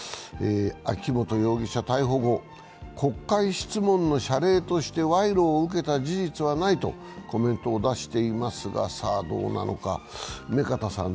秋本容疑者は逮捕後、国会質問の謝礼として賄賂を受けた事実はないとコメントを出していますがさあ、どうなのか。